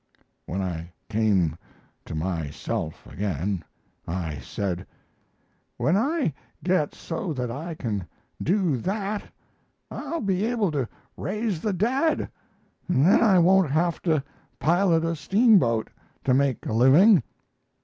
When I came to myself again, I said: "When I get so that I can do that, I'll be able to raise the dead, and then I won't have to pilot a steamboat to make a living.